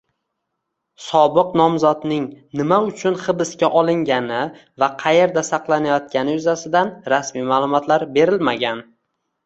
Sobiq nomzodning nima uchun hibsga olingani va qayerda saqlanayotgani yuzasidan rasmiy ma’lumotlar berilmagan